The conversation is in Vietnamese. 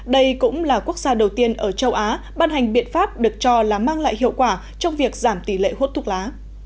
đây cũng là quốc gia đầu tiên ở châu á ban hành biện pháp được cho là mang lại hiệu quả trong việc giảm tỷ lệ hút thuốc lá